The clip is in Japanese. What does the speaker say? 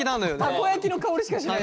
たこ焼きの香りしかしない。